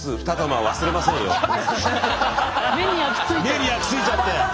目に焼きついちゃって。